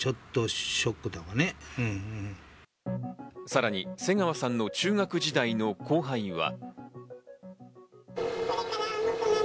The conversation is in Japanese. さらに瀬川さんの中学時代の後輩は。